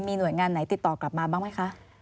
มีหน่วยงานไหนติดต่อกลับมาบ้างไหมคะ